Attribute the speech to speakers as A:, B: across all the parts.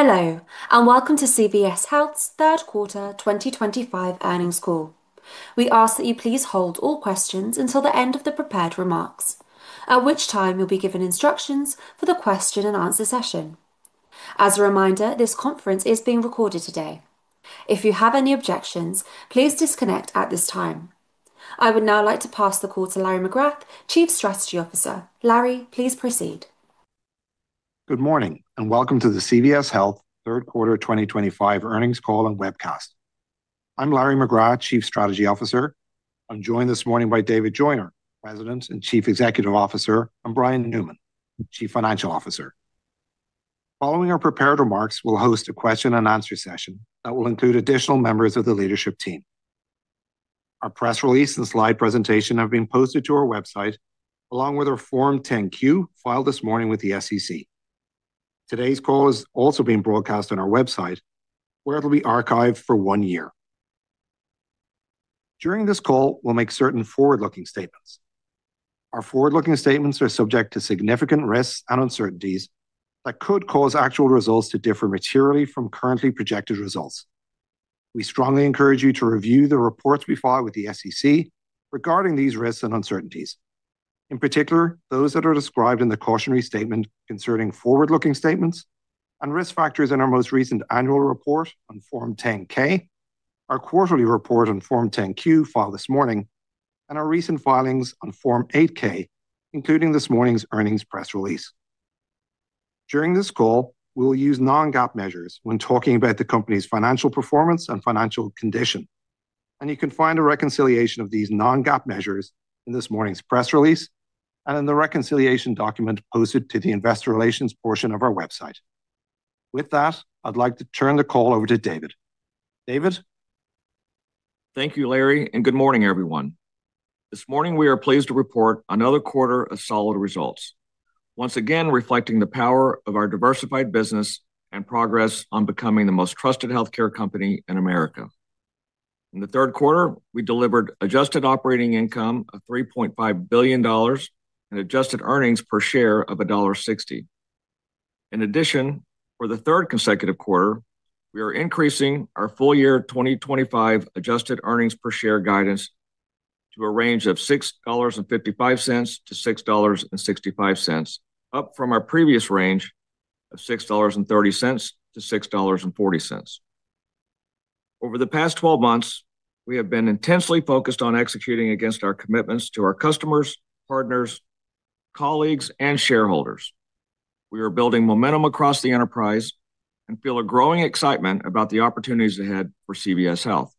A: Hello, and welcome to CVS Health's third quarter 2025 earnings call. We ask that you please hold all questions until the end of the prepared remarks, at which time you'll be given instructions for the question and answer session. As a reminder, this conference is being recorded today. If you have any objections, please disconnect at this time. I would now like to pass the call to Larry McGrath, Chief Strategy Officer. Larry, please proceed.
B: Good morning, and welcome to the CVS Health third quarter 2025 earnings call and webcast. I'm Larry McGrath, Chief Strategy Officer. I'm joined this morning by Karen Lynch, President and Chief Executive Officer, and Brian Newman, Chief Financial Officer. Following our prepared remarks, we'll host a question and answer session that will include additional members of the leadership team. Our press release and slide presentation have been posted to our website, along with our Form 10-Q filed this morning with the SEC. Today's call is also being broadcast on our website, where it'll be archived for one year. During this call, we'll make certain forward-looking statements. Our forward-looking statements are subject to significant risks and uncertainties that could cause actual results to differ materially from currently projected results. We strongly encourage you to review the reports we filed with the SEC regarding these risks and uncertainties. In particular, those that are described in the cautionary statement concerning forward-looking statements and risk factors in our most recent annual report on Form 10-K, our quarterly report on Form 10-Q filed this morning, and our recent filings on Form 8-K, including this morning's earnings press release. During this call, we'll use non-GAAP measures when talking about the company's financial performance and financial condition. You can find a reconciliation of these non-GAAP measures in this morning's press release and in the reconciliation document posted to the investor relations portion of our website. With that, I'd like to turn the call over to David. David?
C: Thank you, Larry, and good morning, everyone. This morning, we are pleased to report another quarter of solid results, once again reflecting the power of our diversified business and progress on becoming the most trusted healthcare company in America. In the third quarter, we delivered adjusted operating income of $3.5 billion and adjusted earnings per share of $1.60. In addition, for the third consecutive quarter, we are increasing our full-year 2025 adjusted earnings per share guidance to a range of $6.55-$6.65, up from our previous range of $6.30-$6.40. Over the past 12 months, we have been intensely focused on executing against our commitments to our customers, partners, colleagues, and shareholders. We are building momentum across the enterprise and feel a growing excitement about the opportunities ahead for CVS Health.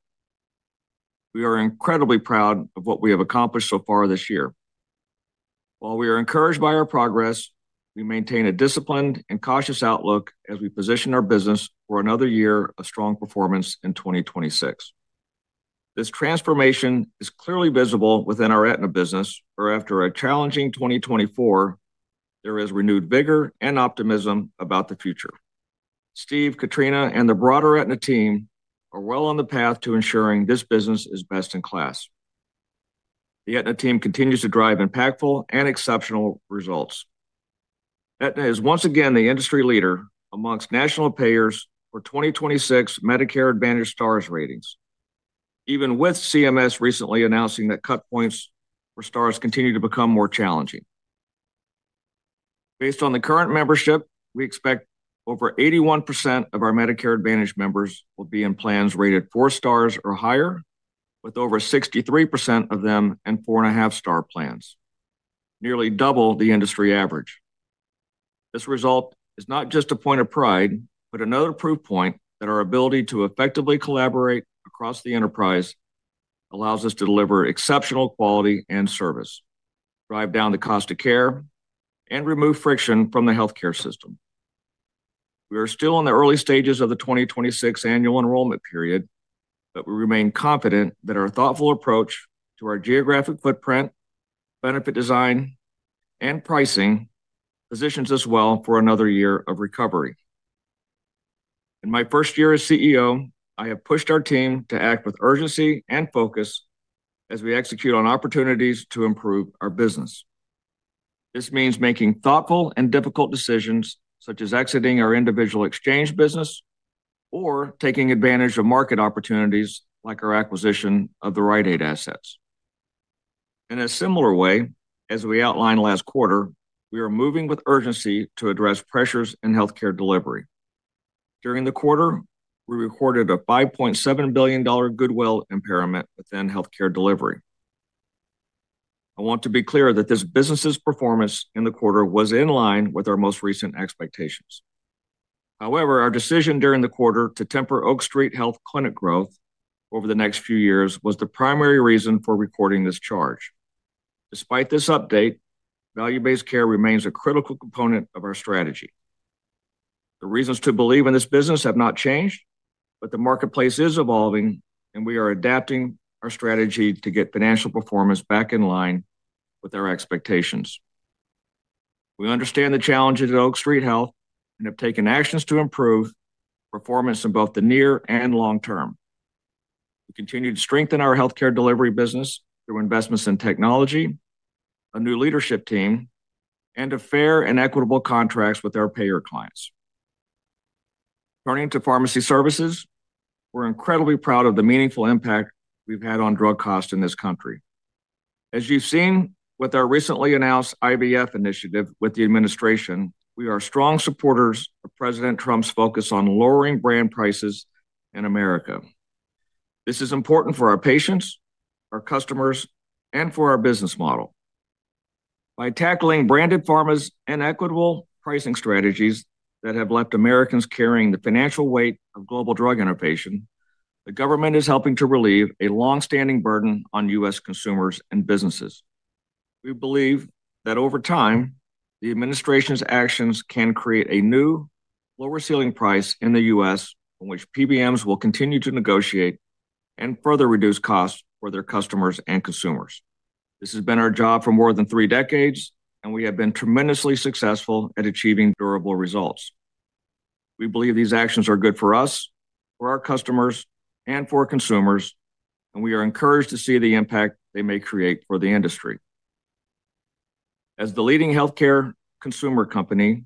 C: We are incredibly proud of what we have accomplished so far this year. While we are encouraged by our progress, we maintain a disciplined and cautious outlook as we position our business for another year of strong performance in 2026. This transformation is clearly visible within our Aetna business, where after a challenging 2024, there is renewed vigor and optimism about the future. Steve, Katrina, and the broader Aetna team are well on the path to ensuring this business is best in class. The Aetna team continues to drive impactful and exceptional results. Aetna is once again the industry leader amongst national payers for 2026 Medicare Advantage STARS ratings, even with CMS recently announcing that cut points for STARS continue to become more challenging. Based on the current membership, we expect over 81% of our Medicare Advantage members will be in plans rated four stars or higher, with over 63% of them in 4.5 star plans, nearly double the industry average. This result is not just a point of pride, but another proof point that our ability to effectively collaborate across the enterprise allows us to deliver exceptional quality and service, drive down the cost of care, and remove friction from the healthcare system. We are still in the early stages of the 2026 annual enrollment period, but we remain confident that our thoughtful approach to our geographic footprint, benefit design, and pricing positions us well for another year of recovery. In my first year as CEO, I have pushed our team to act with urgency and focus as we execute on opportunities to improve our business. This means making thoughtful and difficult decisions, such as exiting our individual exchange business or taking advantage of market opportunities like our acquisition of the Rite Aid assets. In a similar way, as we outlined last quarter, we are moving with urgency to address pressures in healthcare delivery. During the quarter, we recorded a $5.7 billion goodwill impairment within healthcare delivery. I want to be clear that this business's performance in the quarter was in line with our most recent expectations. However, our decision during the quarter to temper Oak Street Health clinic growth over the next few years was the primary reason for recording this charge. Despite this update, value-based care remains a critical component of our strategy. The reasons to believe in this business have not changed, but the marketplace is evolving, and we are adapting our strategy to get financial performance back in line with our expectations. We understand the challenges at Oak Street Health and have taken actions to improve performance in both the near and long term. We continue to strengthen our healthcare delivery business through investments in technology, a new leadership team, and a fair and equitable contract with our payer clients. Turning to pharmacy services, we're incredibly proud of the meaningful impact we've had on drug costs in this country. As you've seen with our recently announced IVF initiative with the administration, we are strong supporters of President Trump's focus on lowering brand prices in America. This is important for our patients, our customers, and for our business model. By tackling branded pharmas and equitable pricing strategies that have left Americans carrying the financial weight of global drug innovation, the government is helping to relieve a longstanding burden on U.S. consumers and businesses. We believe that over time, the administration's actions can create a new lower ceiling price in the U.S., from which PBMs will continue to negotiate and further reduce costs for their customers and consumers. This has been our job for more than three decades, and we have been tremendously successful at achieving durable results. We believe these actions are good for us, for our customers, and for consumers, and we are encouraged to see the impact they may create for the industry. As the leading healthcare consumer company,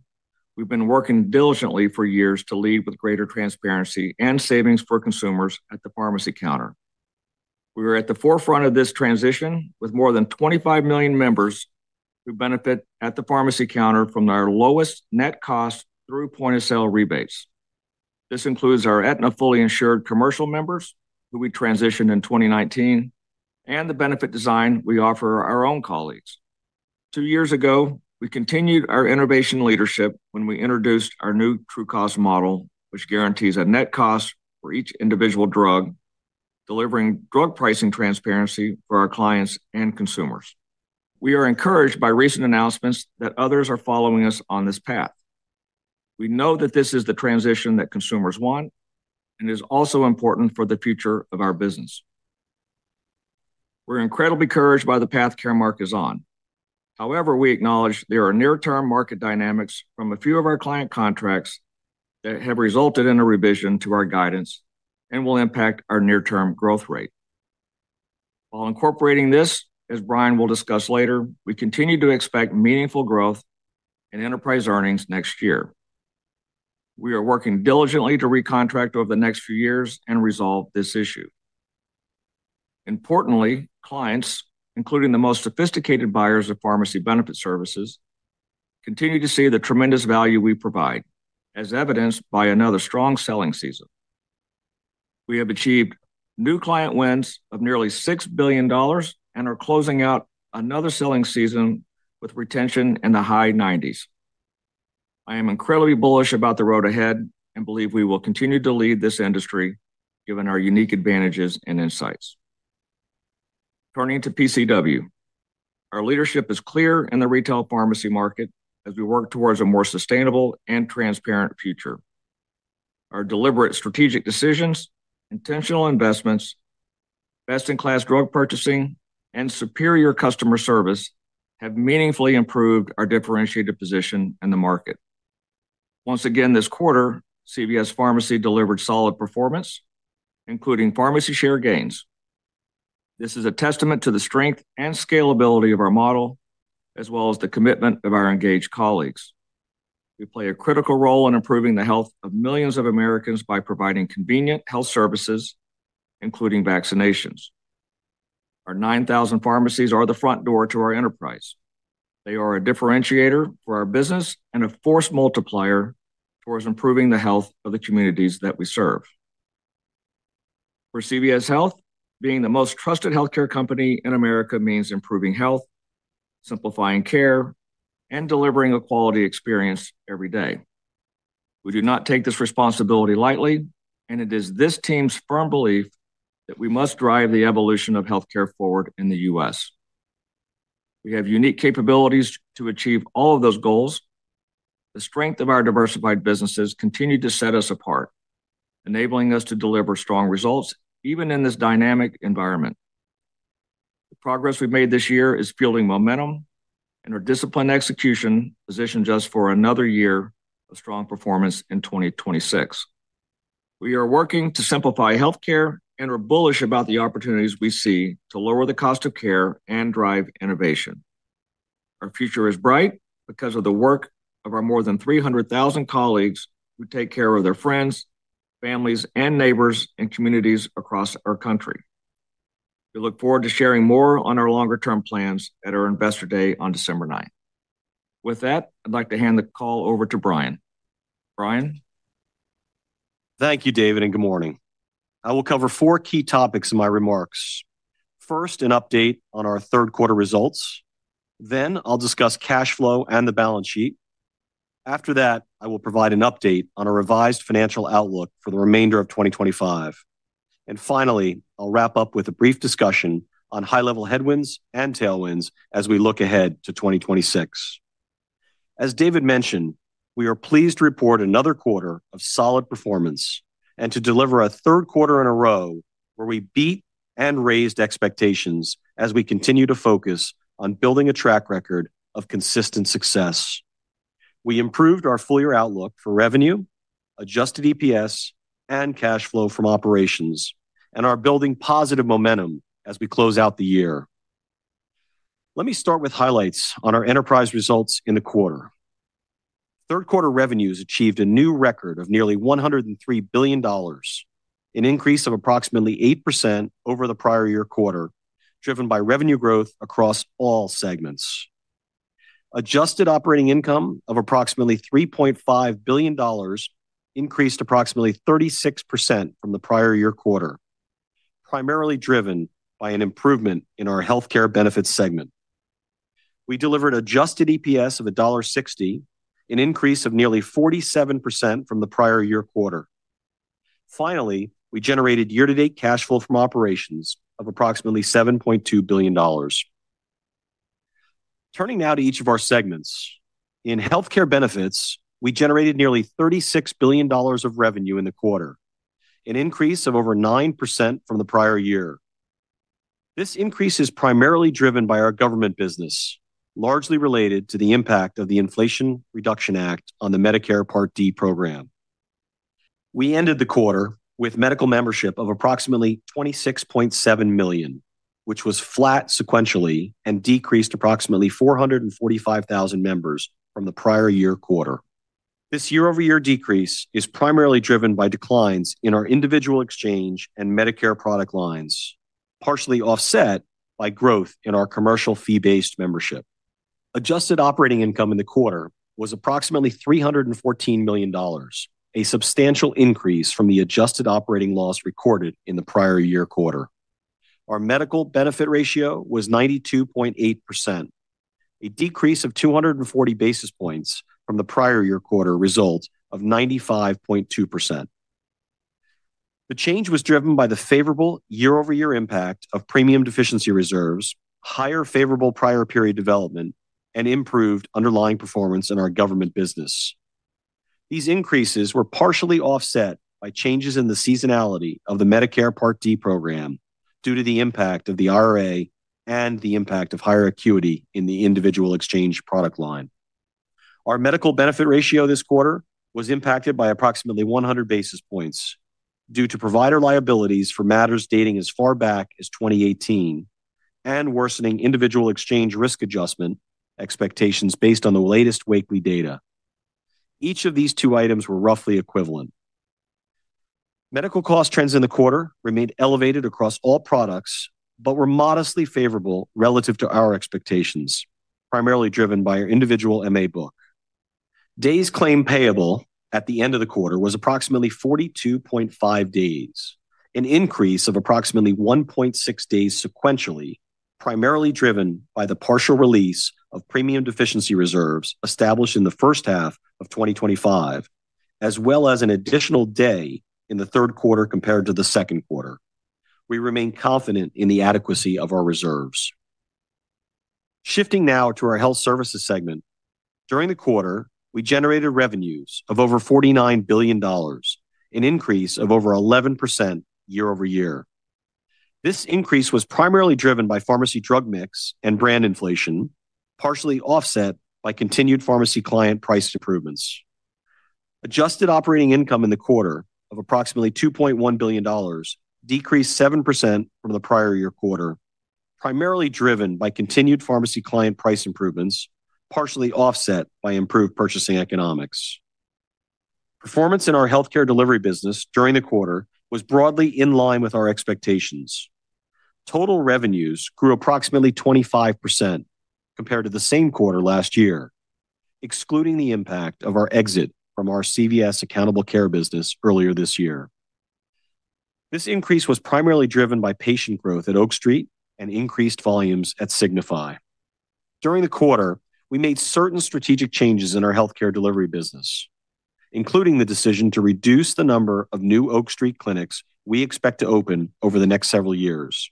C: we've been working diligently for years to lead with greater transparency and savings for consumers at the pharmacy counter. We are at the forefront of this transition with more than 25 million members who benefit at the pharmacy counter from their lowest net cost through point of sale rebates. This includes our Aetna fully insured commercial members who we transitioned in 2019, and the benefit design we offer our own colleagues. Two years ago, we continued our innovation leadership when we introduced our new true cost model, which guarantees a net cost for each individual drug, delivering drug pricing transparency for our clients and consumers. We are encouraged by recent announcements that others are following us on this path. We know that this is the transition that consumers want and is also important for the future of our business. We're incredibly encouraged by the path Caremark is on. However, we acknowledge there are near-term market dynamics from a few of our client contracts that have resulted in a revision to our guidance and will impact our near-term growth rate. While incorporating this, as Brian will discuss later, we continue to expect meaningful growth in enterprise earnings next year. We are working diligently to recontract over the next few years and resolve this issue. Importantly, clients, including the most sophisticated buyers of pharmacy benefit services, continue to see the tremendous value we provide, as evidenced by another strong selling season. We have achieved new client wins of nearly $6 billion and are closing out another selling season with retention in the high 90%. I am incredibly bullish about the road ahead and believe we will continue to lead this industry, given our unique advantages and insights. Turning to PCW, our leadership is clear in the retail pharmacy market as we work towards a more sustainable and transparent future. Our deliberate strategic decisions, intentional investments, best-in-class drug purchasing, and superior customer service have meaningfully improved our differentiated position in the market. Once again this quarter, CVS Pharmacy delivered solid performance, including pharmacy share gains. This is a testament to the strength and scalability of our model, as well as the commitment of our engaged colleagues. We play a critical role in improving the health of millions of Americans by providing convenient health services, including vaccinations. Our 9,000 pharmacies are the front door to our enterprise. They are a differentiator for our business and a force multiplier towards improving the health of the communities that we serve. For CVS Health, being the most trusted healthcare company in America means improving health, simplifying care, and delivering a quality experience every day. We do not take this responsibility lightly, and it is this team's firm belief that we must drive the evolution of healthcare forward in the U.S. We have unique capabilities to achieve all of those goals. The strength of our diversified businesses continues to set us apart, enabling us to deliver strong results even in this dynamic environment. The progress we've made this year is fueling momentum, and our disciplined execution positions us for another year of strong performance in 2026. We are working to simplify healthcare and are bullish about the opportunities we see to lower the cost of care and drive innovation. Our future is bright because of the work of our more than 300,000 colleagues who take care of their friends, families, and neighbors in communities across our country. We look forward to sharing more on our longer-term plans at our investor day on December 9. With that, I'd like to hand the call over to Brian. Brian?
D: Thank you, David, and good morning. I will cover four key topics in my remarks. First, an update on our third quarter results. Next, I'll discuss cash flow and the balance sheet. After that, I will provide an update on a revised financial outlook for the remainder of 2025. Finally, I'll wrap up with a brief discussion on high-level headwinds and tailwinds as we look ahead to 2026. As David mentioned, we are pleased to report another quarter of solid performance and to deliver a third quarter in a row where we beat and raised expectations as we continue to focus on building a track record of consistent success. We improved our full-year outlook for revenue, adjusted EPS, and cash flow from operations, and are building positive momentum as we close out the year. Let me start with highlights on our enterprise results in the quarter. Third quarter revenues achieved a new record of nearly $103 billion, an increase of approximately 8% over the prior year quarter, driven by revenue growth across all segments. Adjusted operating income of approximately $3.5 billion increased approximately 36% from the prior year quarter, primarily driven by an improvement in our healthcare benefits segment. We delivered adjusted EPS of $1.60, an increase of nearly 47% from the prior year quarter. Finally, we generated year-to-date cash flow from operations of approximately $7.2 billion. Turning now to each of our segments. In healthcare benefits, we generated nearly $36 billion of revenue in the quarter, an increase of over 9% from the prior year. This increase is primarily driven by our government business, largely related to the impact of the Inflation Reduction Act on the Medicare Part D program. We ended the quarter with medical membership of approximately 26.7 million, which was flat sequentially and decreased approximately 445,000 members from the prior year quarter. This year-over-year decrease is primarily driven by declines in our individual exchange and Medicare product lines, partially offset by growth in our commercial fee-based membership. Adjusted operating income in the quarter was approximately $314 million, a substantial increase from the adjusted operating loss recorded in the prior year quarter. Our medical benefit ratio was 92.8%, a decrease of 240 basis points from the prior year quarter result of 95.2%. The change was driven by the favorable year-over-year impact of premium deficiency reserves, higher favorable prior period development, and improved underlying performance in our government business. These increases were partially offset by changes in the seasonality of the Medicare Part D program due to the impact of the IRA and the impact of higher acuity in the individual exchange product line. Our medical benefit ratio this quarter was impacted by approximately 100 basis points due to provider liabilities for matters dating as far back as 2018 and worsening individual exchange risk adjustment expectations based on the latest weekly data. Each of these two items were roughly equivalent. Medical cost trends in the quarter remained elevated across all products but were modestly favorable relative to our expectations, primarily driven by our individual Medicare Advantage book. Days claimed payable at the end of the quarter was approximately 42.5 days, an increase of approximately 1.6 days sequentially, primarily driven by the partial release of premium deficiency reserves established in the first half of 2025, as well as an additional day in the third quarter compared to the second quarter. We remain confident in the adequacy of our reserves. Shifting now to our health services segment. During the quarter, we generated revenues of over $49 billion, an increase of over 11% year-over-year. This increase was primarily driven by pharmacy drug mix and brand inflation, partially offset by continued pharmacy client price improvements. Adjusted operating income in the quarter of approximately $2.1 billion decreased 7% from the prior year quarter, primarily driven by continued pharmacy client price improvements, partially offset by improved purchasing economics. Performance in our healthcare delivery business during the quarter was broadly in line with our expectations. Total revenues grew approximately 25% compared to the same quarter last year, excluding the impact of our exit from our CVS accountable care business earlier this year. This increase was primarily driven by patient growth at Oak Street Health and increased volumes at Signify. During the quarter, we made certain strategic changes in our healthcare delivery business, including the decision to reduce the number of new Oak Street Health clinics we expect to open over the next several years.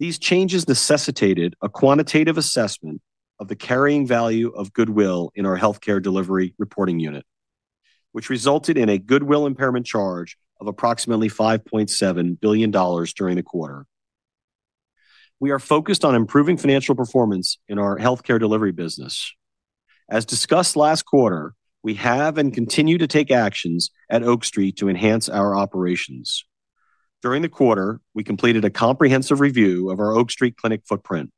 D: These changes necessitated a quantitative assessment of the carrying value of goodwill in our healthcare delivery reporting unit, which resulted in a goodwill impairment charge of approximately $5.7 billion during the quarter. We are focused on improving financial performance in our healthcare delivery business. As discussed last quarter, we have and continue to take actions at Oak Street to enhance our operations. During the quarter, we completed a comprehensive review of our Oak Street clinic footprint.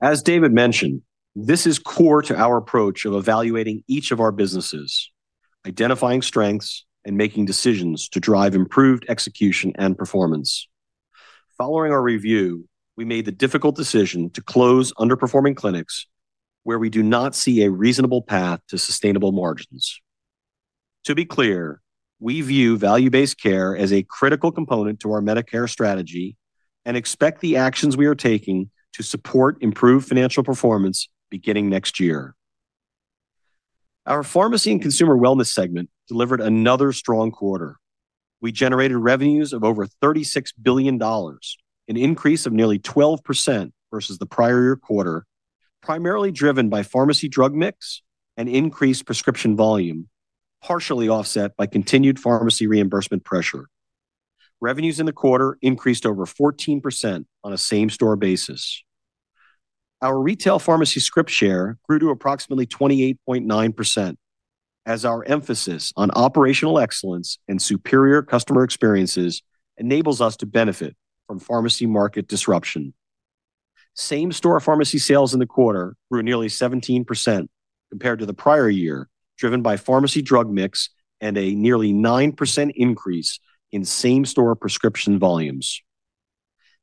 D: As David mentioned, this is core to our approach of evaluating each of our businesses, identifying strengths, and making decisions to drive improved execution and performance. Following our review, we made the difficult decision to close underperforming clinics where we do not see a reasonable path to sustainable margins. To be clear, we view value-based care as a critical component to our Medicare strategy and expect the actions we are taking to support improved financial performance beginning next year. Our pharmacy and consumer wellness segment delivered another strong quarter. We generated revenues of over $36 billion, an increase of nearly 12% versus the prior year quarter, primarily driven by pharmacy drug mix and increased prescription volume, partially offset by continued pharmacy reimbursement pressure. Revenues in the quarter increased over 14% on a same-store basis. Our retail pharmacy script share grew to approximately 28.9%, as our emphasis on operational excellence and superior customer experiences enables us to benefit from pharmacy market disruption. Same-store pharmacy sales in the quarter grew nearly 17% compared to the prior year, driven by pharmacy drug mix and a nearly 9% increase in same-store prescription volumes.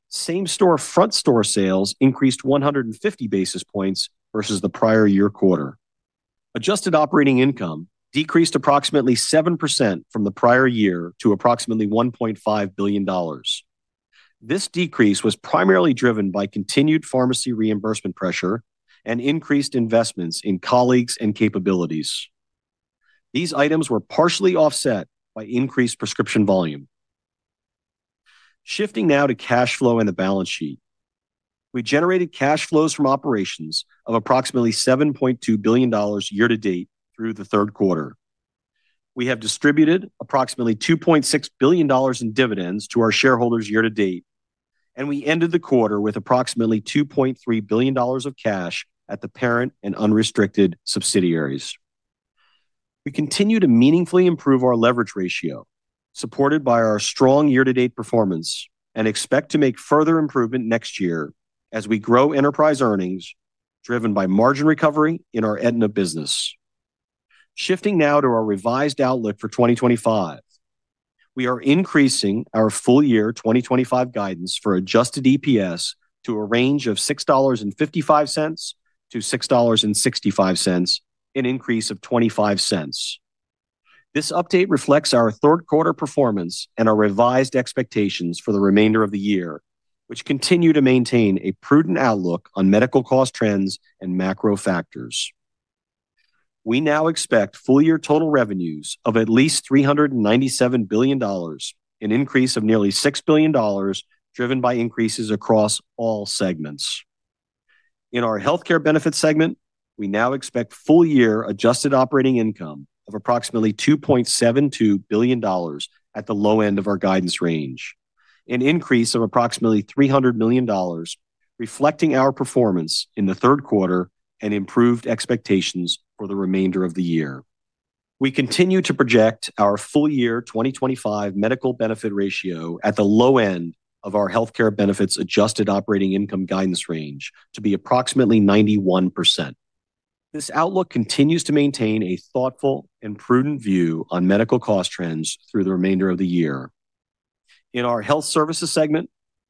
D: Same-store front-store sales increased 150 basis points versus the prior year quarter. Adjusted operating income decreased approximately 7% from the prior year to approximately $1.5 billion. This decrease was primarily driven by continued pharmacy reimbursement pressure and increased investments in colleagues and capabilities. These items were partially offset by increased prescription volume. Shifting now to cash flow and the balance sheet. We generated cash flows from operations of approximately $7.2 billion year to date through the third quarter. We have distributed approximately $2.6 billion in dividends to our shareholders year to date, and we ended the quarter with approximately $2.3 billion of cash at the parent and unrestricted subsidiaries. We continue to meaningfully improve our leverage ratio, supported by our strong year-to-date performance, and expect to make further improvement next year as we grow enterprise earnings, driven by margin recovery in our Aetna business. Shifting now to our revised outlook for 2025, we are increasing our full-year 2025 guidance for adjusted EPS to a range of $6.55-$6.65, an increase of $0.25. This update reflects our third quarter performance and our revised expectations for the remainder of the year, which continue to maintain a prudent outlook on medical cost trends and macro factors. We now expect full-year total revenues of at least $397 billion, an increase of nearly $6 billion, driven by increases across all segments. In our healthcare benefits segment, we now expect full-year adjusted operating income of approximately $2.72 billion at the low end of our guidance range, an increase of approximately $300 million, reflecting our performance in the third quarter and improved expectations for the remainder of the year. We continue to project our full-year 2025 medical benefit ratio at the low end of our healthcare benefits adjusted operating income guidance range to be approximately 91%. This outlook continues to maintain a thoughtful and prudent view on medical cost trends through the remainder of the year. In our health services segment,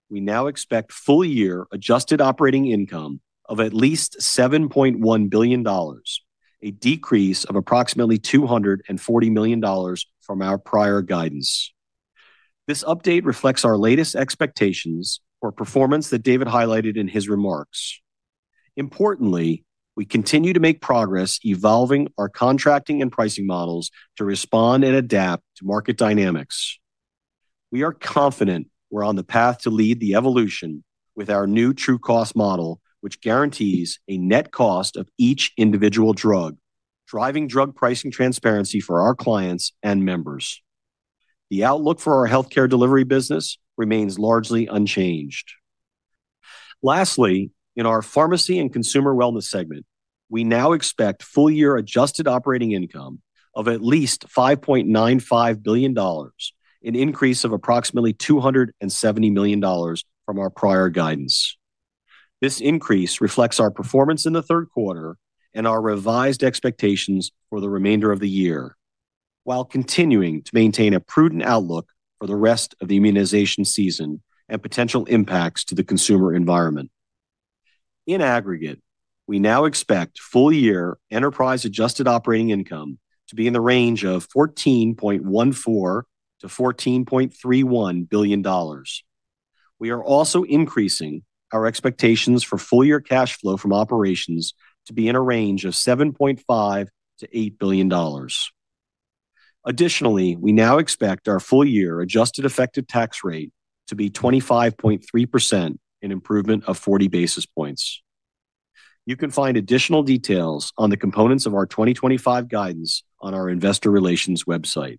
D: we now expect full-year adjusted operating income of at least $7.1 billion, a decrease of approximately $240 million from our prior guidance. This update reflects our latest expectations for performance that David highlighted in his remarks. Importantly, we continue to make progress evolving our contracting and pricing models to respond and adapt to market dynamics. We are confident we're on the path to lead the evolution with our new true cost model, which guarantees a net cost of each individual drug, driving drug pricing transparency for our clients and members. The outlook for our healthcare delivery business remains largely unchanged. Lastly, in our pharmacy and consumer wellness segment, we now expect full-year adjusted operating income of at least $5.95 billion, an increase of approximately $270 million from our prior guidance. This increase reflects our performance in the third quarter and our revised expectations for the remainder of the year, while continuing to maintain a prudent outlook for the rest of the immunization season and potential impacts to the consumer environment. In aggregate, we now expect full-year enterprise adjusted operating income to be in the range of $14.14 billion-$14.31 billion. We are also increasing our expectations for full-year cash flow from operations to be in a range of $7.5 billion-$8 billion. Additionally, we now expect our full-year adjusted effective tax rate to be 25.3%, an improvement of 40 basis points. You can find additional details on the components of our 2025 guidance on our investor relations website.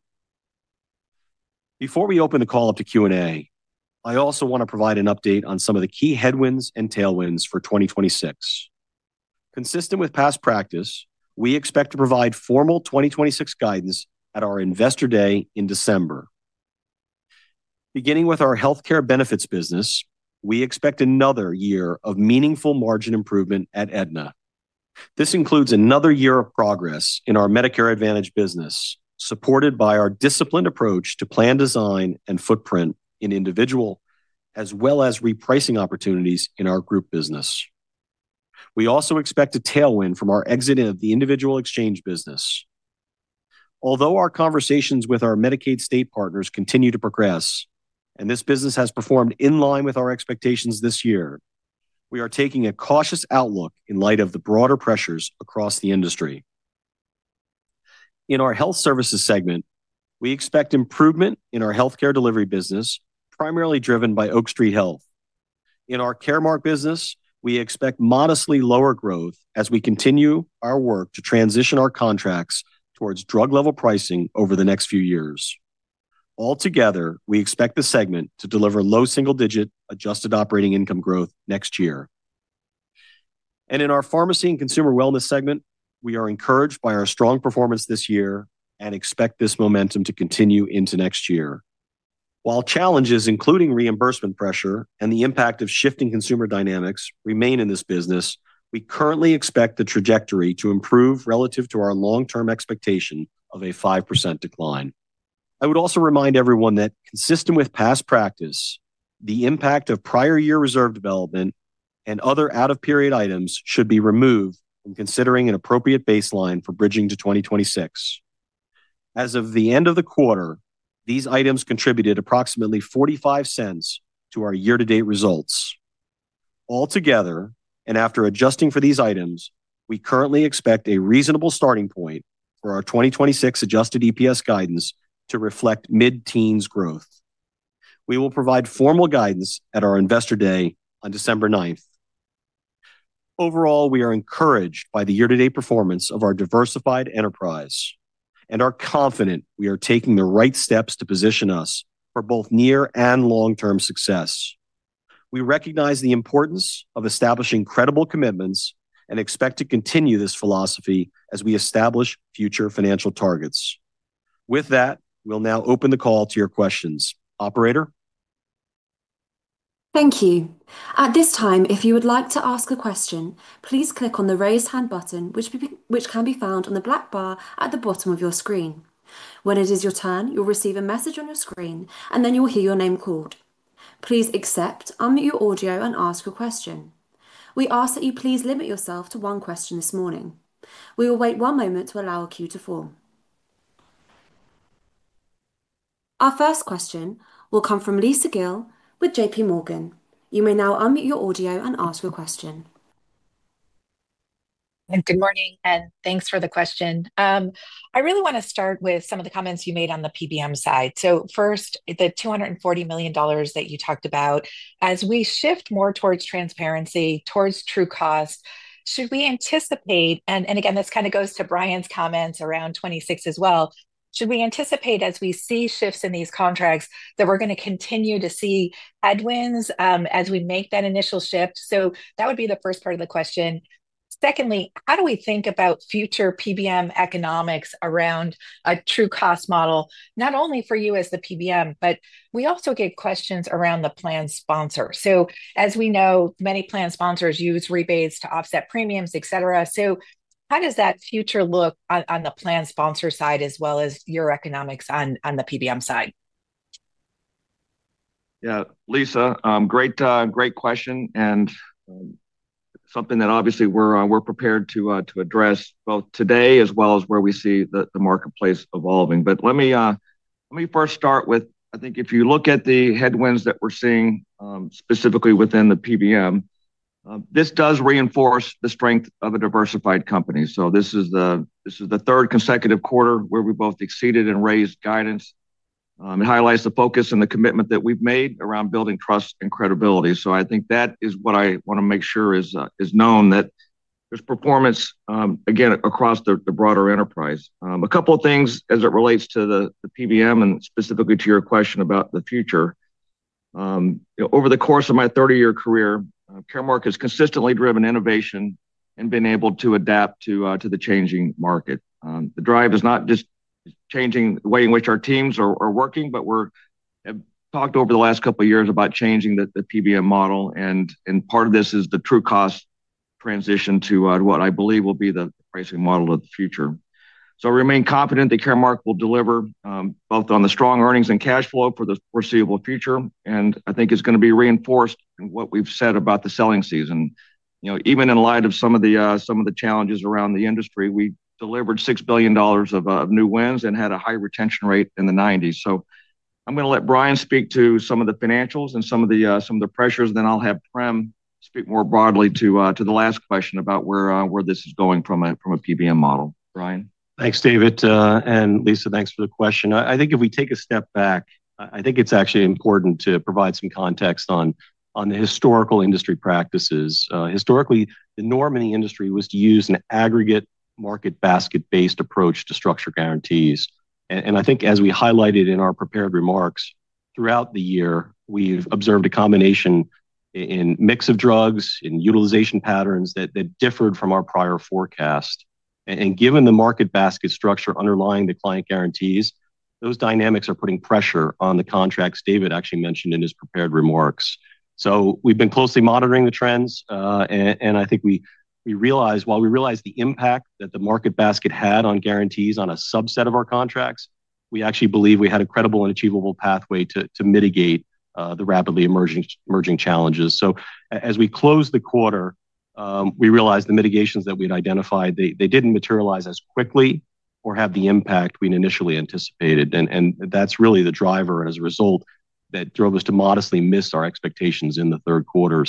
D: Before we open the call up to Q&A, I also want to provide an update on some of the key headwinds and tailwinds for 2026. Consistent with past practice, we expect to provide formal 2026 guidance at our investor day in December. Beginning with our healthcare benefits business, we expect another year of meaningful margin improvement at Aetna. This includes another year of progress in our Medicare Advantage business, supported by our disciplined approach to plan design and footprint in individual, as well as repricing opportunities in our group business. We also expect a tailwind from our exit of the individual exchange business. Although our conversations with our Medicaid state partners continue to progress, and this business has performed in line with our expectations this year, we are taking a cautious outlook in light of the broader pressures across the industry. In our health services segment, we expect improvement in our healthcare delivery business, primarily driven by Oak Street Health. In our Caremark business, we expect modestly lower growth as we continue our work to transition our contracts towards drug-level pricing over the next few years. Altogether, we expect the segment to deliver low single-digit adjusted operating income growth next year. In our pharmacy and consumer wellness segment, we are encouraged by our strong performance this year and expect this momentum to continue into next year. While challenges, including reimbursement pressure and the impact of shifting consumer dynamics, remain in this business, we currently expect the trajectory to improve relative to our long-term expectation of a 5% decline. I would also remind everyone that, consistent with past practice, the impact of prior year reserve development and other out-of-period items should be removed when considering an appropriate baseline for bridging to 2026. As of the end of the quarter, these items contributed approximately $0.45 to our year-to-date results. Altogether, and after adjusting for these items, we currently expect a reasonable starting point for our 2026 adjusted EPS guidance to reflect mid-teens growth. We will provide formal guidance at our investor day on December 9th. Overall, we are encouraged by the year-to-date performance of our diversified enterprise and are confident we are taking the right steps to position us for both near and long-term success. We recognize the importance of establishing credible commitments and expect to continue this philosophy as we establish future financial targets. With that, we'll now open the call to your questions. Operator?
A: Thank you. At this time, if you would like to ask a question, please click on the raised hand button, which can be found on the black bar at the bottom of your screen. When it is your turn, you'll receive a message on your screen, and then you'll hear your name called. Please accept, unmute your audio, and ask your question. We ask that you please limit yourself to one question this morning. We will wait one moment to allow a queue to form. Our first question will come from Lisa Gill with JPMorgan. You may now unmute your audio and ask your question.
E: Good morning, and thanks for the question. I really want to start with some of the comments you made on the PBM side. First, the $240 million that you talked about, as we shift more towards transparency, towards true cost, should we anticipate, and again, this kind of goes to Brian's comments around 2026 as well, should we anticipate, as we see shifts in these contracts, that we're going to continue to see headwinds as we make that initial shift? That would be the first part of the question. Secondly, how do we think about future PBM economics around a true cost model, not only for you as the PBM, but we also get questions around the plan sponsor? As we know, many plan sponsors use rebates to offset premiums, et cetera. How does that future look on the plan sponsor side, as well as your economics on the PBM side?
C: Yeah, Lisa, great question and something that obviously we're prepared to address both today as well as where we see the marketplace evolving. Let me first start with, I think if you look at the headwinds that we're seeing specifically within the PBM, this does reinforce the strength of a diversified company. This is the third consecutive quarter where we both exceeded and raised guidance. It highlights the focus and the commitment that we've made around building trust and credibility. I think that is what I want to make sure is known, that there's performance, again, across the broader enterprise. A couple of things as it relates to the PBM and specifically to your question about the future. Over the course of my 30-year career, Caremark has consistently driven innovation and been able to adapt to the changing market. The drive is not just changing the way in which our teams are working, but we have talked over the last couple of years about changing the PBM model, and part of this is the true cost transition to what I believe will be the pricing model of the future. I remain confident that Caremark will deliver both on the strong earnings and cash flow for the foreseeable future, and I think it's going to be reinforced in what we've said about the selling season. Even in light of some of the challenges around the industry, we delivered $6 billion of new wins and had a high retention rate in the 90s. I'm going to let Brian speak to some of the financials and some of the pressures, and then I'll have Prem speak more broadly to the last question about where this is going from a PBM model. Brian?
D: Thanks, David, and Lisa, thanks for the question. I think if we take a step back, I think it's actually important to provide some context on the historical industry practices. Historically, the norm in the industry was to use an aggregate market basket-based approach to structure guarantees. I think as we highlighted in our prepared remarks, throughout the year, we've observed a combination in mix of drugs and utilization patterns that differed from our prior forecast. Given the market basket structure underlying the client guarantees, those dynamics are putting pressure on the contracts David actually mentioned in his prepared remarks. We've been closely monitoring the trends, and while we realize the impact that the market basket had on guarantees on a subset of our contracts, we actually believe we had a credible and achievable pathway to mitigate the rapidly emerging challenges. As we closed the quarter, we realized the mitigations that we had identified didn't materialize as quickly or have the impact we'd initially anticipated. That's really the driver as a result that drove us to modestly miss our expectations in the third quarter.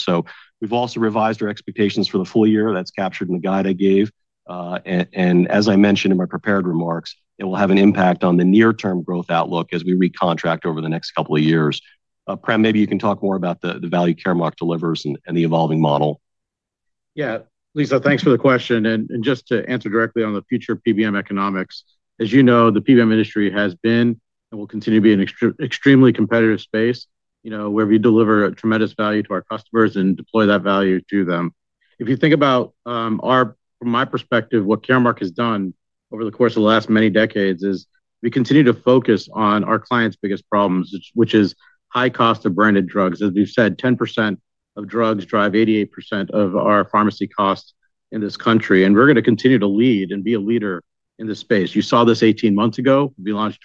D: We've also revised our expectations for the full year. That's captured in the guide I gave. As I mentioned in my prepared remarks, it will have an impact on the near-term growth outlook as we recontract over the next couple of years. Prem, maybe you can talk more about the value Caremark delivers and the evolving model.
F: Yeah, Lisa, thanks for the question. Just to answer directly on the future PBM economics, as you know, the PBM industry has been and will continue to be an extremely competitive space, where we deliver a tremendous value to our customers and deploy that value to them. If you think about our, from my perspective, what Caremark has done over the course of the last many decades is we continue to focus on our clients' biggest problems, which is high cost of branded drugs. As we've said, 10% of drugs drive 88% of our pharmacy costs in this country. We're going to continue to lead and be a leader in this space. You saw this 18 months ago. We launched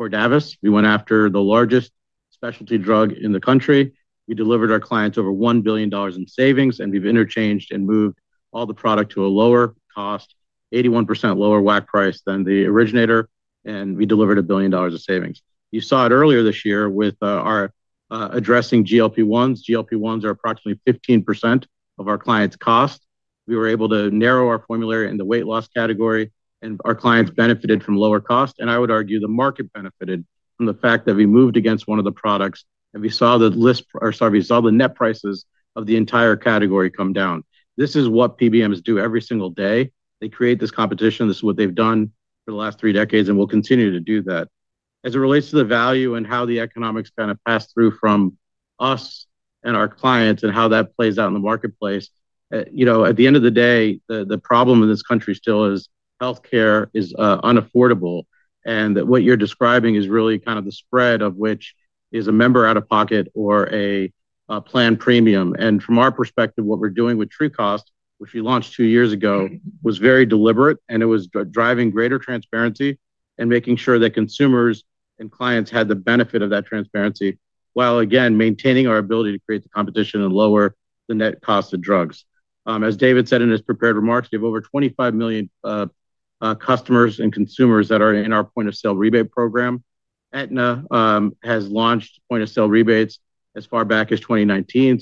F: Cordavis. We went after the largest specialty drug in the country. We delivered our clients over $1 billion in savings, and we've interchanged and moved all the product to a lower cost, 81% lower WACC price than the originator, and we delivered $1 billion in savings. You saw it earlier this year with our addressing GLP-1s. GLP-1s are approximately 15% of our clients' cost. We were able to narrow our formulary in the weight loss category, and our clients benefited from lower cost. I would argue the market benefited from the fact that we moved against one of the products, and we saw the net prices of the entire category come down. This is what PBMs do every single day. They create this competition. This is what they've done for the last three decades and will continue to do that. As it relates to the value and how the economics kind of pass through from us and our clients and how that plays out in the marketplace, at the end of the day, the problem in this country still is healthcare is unaffordable. What you're describing is really kind of the spread of which is a member out of pocket or a plan premium. From our perspective, what we're doing with True Cost, which we launched two years ago, was very deliberate, and it was driving greater transparency and making sure that consumers and clients had the benefit of that transparency, while again maintaining our ability to create the competition and lower the net cost of drugs. As David said in his prepared remarks, we have over 25 million customers and consumers that are in our point of sale rebate program. Aetna has launched point of sale rebates as far back as 2019.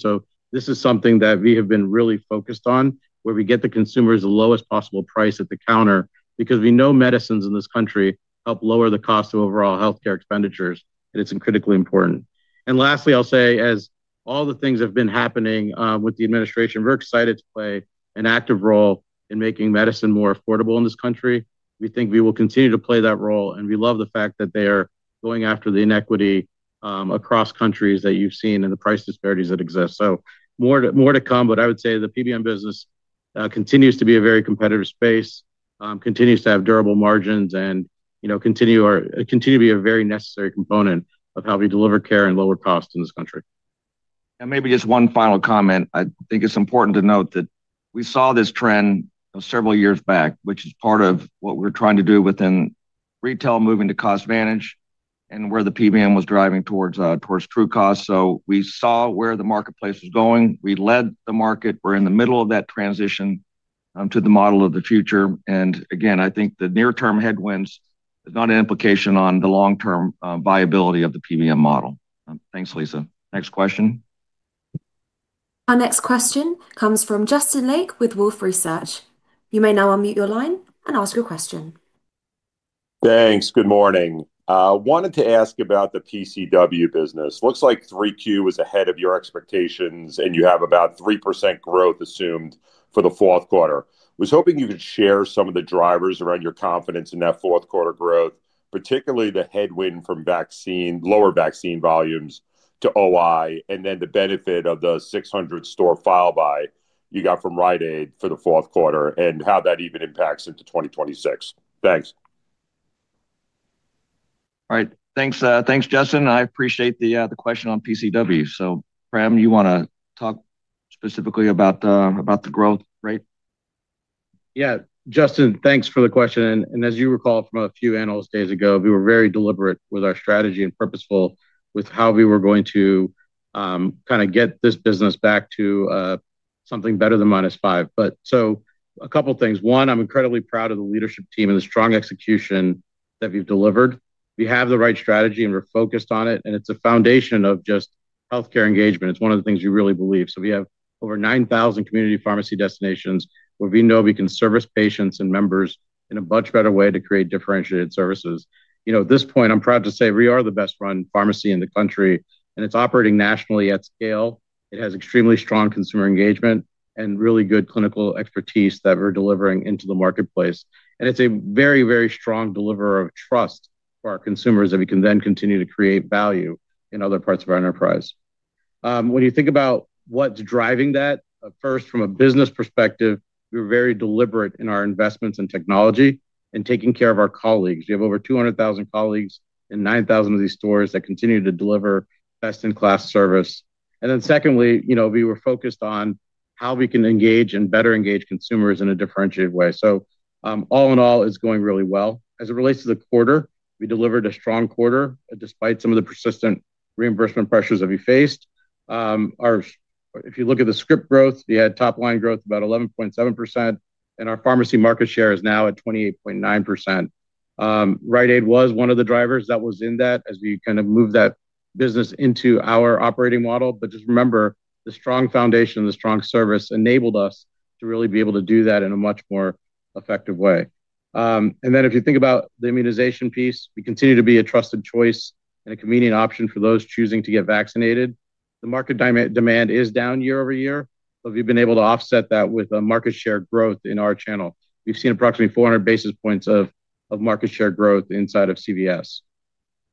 F: This is something that we have been really focused on, where we get the consumers the lowest possible price at the counter, because we know medicines in this country help lower the cost of overall healthcare expenditures, and it's critically important. Lastly, I'll say, as all the things have been happening with the administration, we're excited to play an active role in making medicine more affordable in this country. We think we will continue to play that role, and we love the fact that they are going after the inequity across countries that you've seen and the price disparities that exist. More to come, but I would say the PBM business continues to be a very competitive space, continues to have durable margins, and continues to be a very necessary component of how we deliver care and lower cost in this country.
C: Maybe just one final comment. I think it's important to note that we saw this trend several years back, which is part of what we're trying to do within retail, moving to cost advantage, and where the PBM was driving towards true cost. We saw where the marketplace was going. We led the market. We're in the middle of that transition to the model of the future. I think the near-term headwinds is not an implication on the long-term viability of the PBM model. Thanks, Lisa. Next question.
A: Our next question comes from Justin Lake with Wolfe Research. You may now unmute your line and ask your question.
G: Thanks. Good morning. I wanted to ask about the PCW business. Looks like 3Q was ahead of your expectations, and you have about 3% growth assumed for the fourth quarter. I was hoping you could share some of the drivers around your confidence in that fourth quarter growth, particularly the headwind from lower vaccine volumes to OI, and then the benefit of the 600-store file buy you got from Rite Aid for the fourth quarter and how that even impacts into 2026. Thanks.
C: All right. Thanks, Justin. I appreciate the question on PCW. Prem, you want to talk specifically about the growth, right?
F: Yeah, Justin, thanks for the question. As you recall from a few analysts days ago, we were very deliberate with our strategy and purposeful with how we were going to kind of get this business back to something better than -5%. A couple of things. One, I'm incredibly proud of the leadership team and the strong execution that we've delivered. We have the right strategy, and we're focused on it, and it's a foundation of just healthcare engagement. It's one of the things we really believe. We have over 9,000 community pharmacy destinations where we know we can service patients and members in a much better way to create differentiated services. At this point, I'm proud to say we are the best-run pharmacy in the country, and it's operating nationally at scale. It has extremely strong consumer engagement and really good clinical expertise that we're delivering into the marketplace. It's a very, very strong deliverer of trust for our consumers that we can then continue to create value in other parts of our enterprise. When you think about what's driving that, first, from a business perspective, we were very deliberate in our investments in technology and taking care of our colleagues. We have over 200,000 colleagues in 9,000 of these stores that continue to deliver best-in-class service. Secondly, we were focused on how we can engage and better engage consumers in a differentiated way. All in all, it's going really well. As it relates to the quarter, we delivered a strong quarter despite some of the persistent reimbursement pressures that we faced. If you look at the script growth, we had top line growth about 11.7%, and our pharmacy market share is now at 28.9%. Rite Aid was one of the drivers that was in that as we kind of moved that business into our operating model. Just remember, the strong foundation and the strong service enabled us to really be able to do that in a much more effective way. If you think about the immunization piece, we continue to be a trusted choice and a convenient option for those choosing to get vaccinated. The market demand is down year over year, but we've been able to offset that with market share growth in our channel. We've seen approximately 400 basis points of market share growth inside of CVS.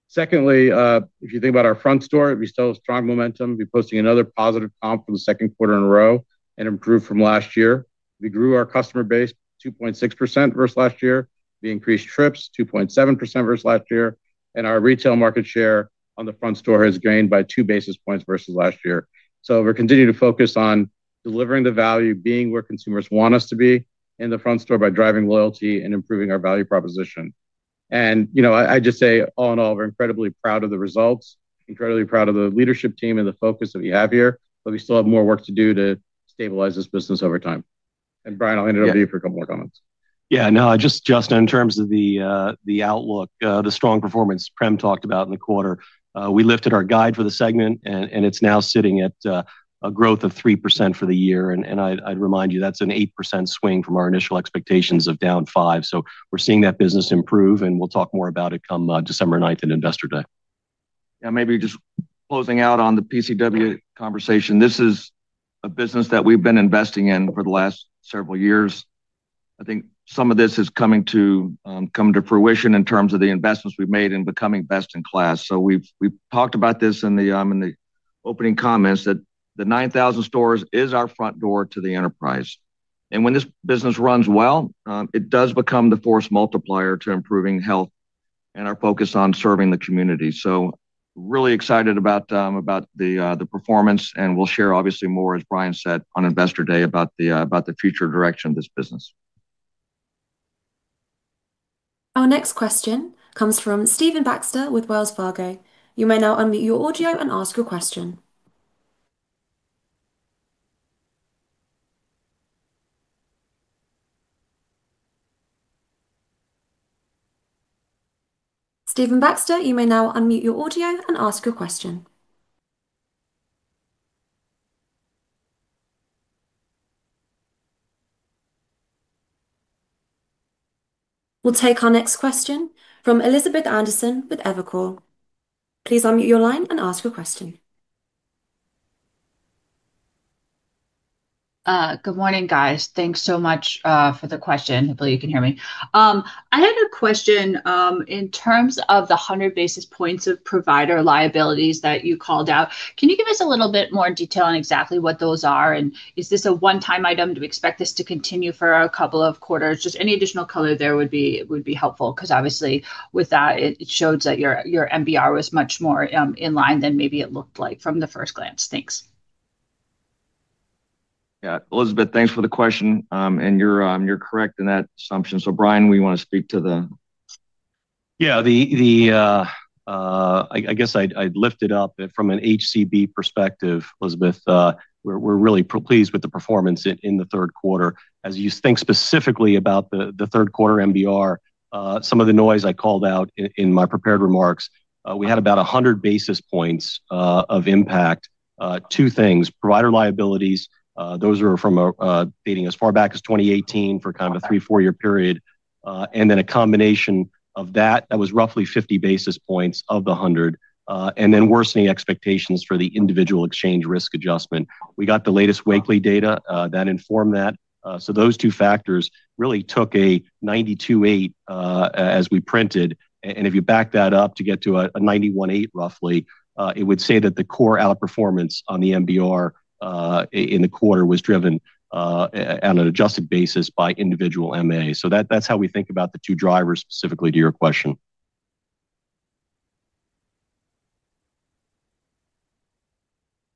F: Secondly, if you think about our front store, we still have strong momentum. We're posting another positive comp from the second quarter in a row and improved from last year. We grew our customer base 2.6% versus last year. We increased trips 2.7% versus last year, and our retail market share on the front store has gained by two basis points versus last year. We are continuing to focus on delivering the value, being where consumers want us to be in the front store by driving loyalty and improving our value proposition. I just say, all in all, we're incredibly proud of the results, incredibly proud of the leadership team and the focus that we have here, but we still have more work to do to stabilize this business over time. Brian, I'll hand it over to you for a couple more comments.
D: Yeah, no, just Justin, in terms of the outlook, the strong performance Prem talked about in the quarter, we lifted our guide for the segment, and it's now sitting at a growth of 3% for the year. I'd remind you, that's an 8% swing from our initial expectations of down 5%. We're seeing that business improve, and we'll talk more about it come December 9th and investor day.
C: Maybe just closing out on the PCW conversation, this is a business that we've been investing in for the last several years. I think some of this is coming to fruition in terms of the investments we've made in becoming best in class. We've talked about this in the opening comments that the 9,000 stores is our front door to the enterprise. When this business runs well, it does become the force multiplier to improving health and our focus on serving the community. Really excited about the performance, and we'll share obviously more, as Brian said, on investor day about the future direction of this business.
A: Our next question comes from Stephen Baxter with Wells Fargo. You may now unmute your audio and ask your question. We'll take our next question from Elizabeth Anderson with Evercore. Please unmute your line and ask your question.
H: Good morning, guys. Thanks so much for the question. Hopefully, you can hear me. I had a question in terms of the 100 basis points of provider liabilities that you called out. Can you give us a little bit more detail on exactly what those are, and is this a one-time item? Do we expect this to continue for a couple of quarters? Just any additional color there would be helpful, because obviously with that, it shows that your MBR was much more in line than maybe it looked like from the first glance. Thanks.
C: Yeah, Elizabeth, thanks for the question, and you're correct in that assumption. Brian, we want to speak to the.
D: Yeah, I guess I'd lift it up from an HCB perspective, Elizabeth. We're really pleased with the performance in the third quarter. As you think specifically about the third quarter MBR, some of the noise I called out in my prepared remarks, we had about 100 basis points of impact. Two things, provider liabilities, those are from dating as far back as 2018 for kind of a three to four-year period, and then a combination of that, that was roughly 50 basis points of the 100, and then worsening expectations for the individual exchange risk adjustment. We got the latest weekly data that informed that. These two factors really took a 92.8 as we printed, and if you back that up to get to a 91.8 roughly, it would say that the core outperformance on the MBR in the quarter was driven on an adjusted basis by individual MA. That's how we think about the two drivers specifically to your question.